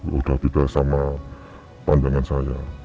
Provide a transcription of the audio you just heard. sudah beda sama pandangan saya